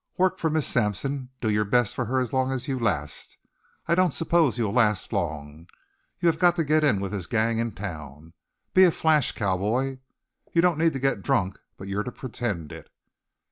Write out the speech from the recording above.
Work for Miss Sampson. Do your best for her as long as you last. I don't suppose you'll last long. You have got to get in with this gang in town. Be a flash cowboy. You don't need to get drunk, but you're to pretend it.